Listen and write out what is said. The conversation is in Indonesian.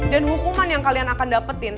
dan hukuman yang kalian akan dapetin